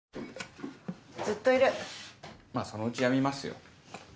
まぁそのうちやみますよ。